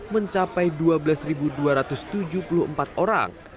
mencapai dua belas dua ratus tujuh puluh empat orang